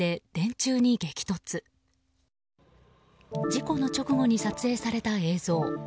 事故の直後に撮影された映像。